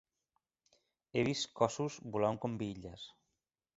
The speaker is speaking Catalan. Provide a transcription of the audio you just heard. He vist cossos volant com bitlles.